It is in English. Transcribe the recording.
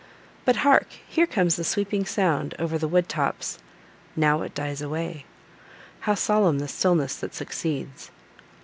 But hark! here comes the sweeping sound over the wood tops;—now it dies away;—how solemn the stillness that succeeds!